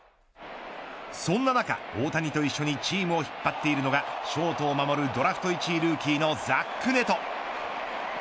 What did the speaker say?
そんな中、大谷と一緒にチームを引っ張っているのがショートを守るドラフト１位ルーキーのザック・ネト。